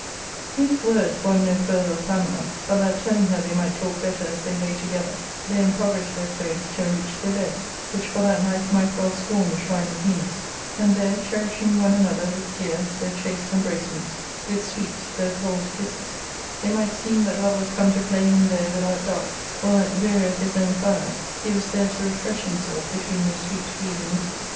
These words wan no further of Pamela, but that telling her they might talk better as they lay together, they impover ished their clothes to enrich their bed, which for that night might well scorn the shrine of Venus ; and there cherishing one another with dear, though chaste embracements, with sweet, though cold kisses, it might seem that love was come to play him there without dart, or that, weary of his own fires, he was there to refresh himself between their sweet breathing lips.